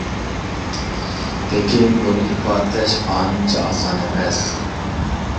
لېكىن بۇنى ئىپادىلەش ئانچە ئاسان ئەمەس.